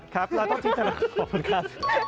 ครับเราต้องจินตนาการขอบคุณครับ